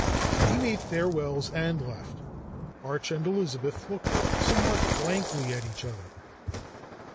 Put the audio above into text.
He made his farewells and left. Arch and Elizabeth looked somewhat blankly at each other.